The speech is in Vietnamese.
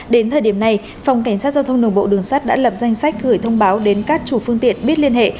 đến thời điểm này phòng cảnh sát giao thông đường bộ đường sắt đã lập danh sách gửi thông báo đến các chủ phương tiện biết liên hệ